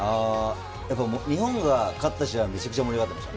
日本が勝った試合はめちゃくちゃ盛り上がってました。